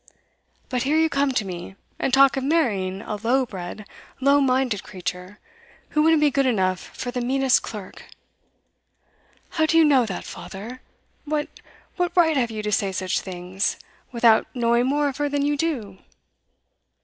But here you come to me and talk of marrying a low bred, low minded creature, who wouldn't be good enough for the meanest clerk!' 'How do you know that, father? What what right have you to say such things, without knowing more of her than you do?